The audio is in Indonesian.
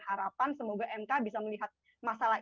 harapan semoga mk bisa melihat masalah